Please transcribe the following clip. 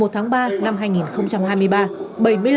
một mươi một tháng ba năm hai nghìn hai mươi ba